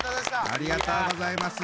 ありがとうございます。